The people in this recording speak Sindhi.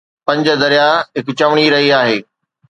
پنج درياهه هڪ چوڻي رهي آهي.